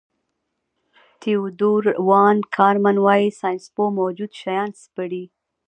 تیودور وان کارمن وايي ساینسپوه موجود شیان سپړي.